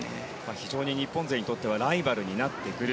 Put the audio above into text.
非常に日本勢にとってはライバルになってくる。